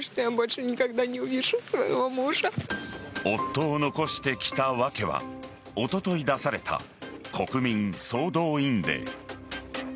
夫を残してきたわけはおととい出された国民総動員令。